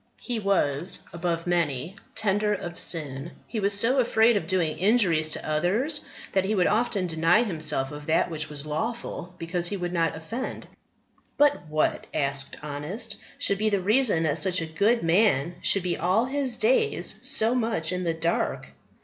He was, above many, tender of sin; he was so afraid of doing injuries to others that he would often deny himself of that which was lawful because he would not offend." "But what," asked Honest, "should be the reason that such a good man should be all his days so much in the dark?"